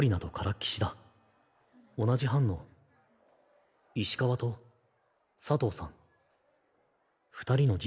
同じ班の石川と佐藤さん